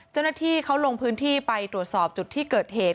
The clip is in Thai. เจ้าหน้าที่เขาลงพื้นที่ไปตรวจสอบจุดที่เกิดเหตุ